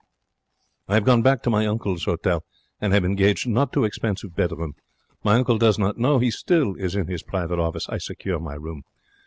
I have gone back to my uncle's hotel, and I have engaged not too expensive bedroom. My uncle does not know. He still is in his private office. I secure my room.